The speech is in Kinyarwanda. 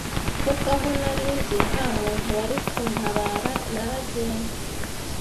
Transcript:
kuko aho nari ndi nta muntu wari kuntabara naragenze